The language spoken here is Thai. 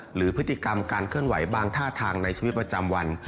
หรือพฤติกรรมการเคลื่อนไหวบางท่าทางในชีวิตประจำวัน